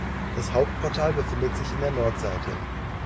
Das Hauptportal befindet sich in der Nordseite.